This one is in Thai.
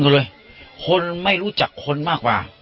อย่าคิดว่าคนลืมบนคนเลยคนไม่รู้จักคนมากกว่า